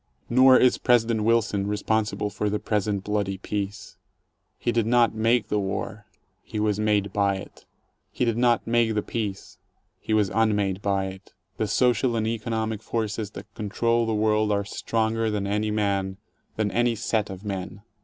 Nor is President Wilson responsible for the present bloody peace. He did not make the war: he was made by it. He did not make the peace: he was unmade by it. The social and economic forces that control the world are stronger than any man, than any set of men.